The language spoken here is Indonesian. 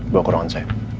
bawa ke ruangan sayang